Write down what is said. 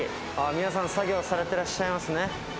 皆さん、作業されてらっしゃいますね。